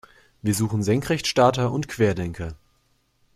Wir suchen Senkrechtstarter und Querdenker.